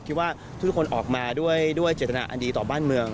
คิดว่าทุกคนออกมาด้วยเจตนาอันดีต่อบ้านเมือง